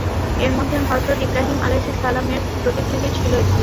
এর মধ্যে হযরত ইব্রাহিম আলাইহিস সালাম-এর প্রতিকৃতির ছিল একটি।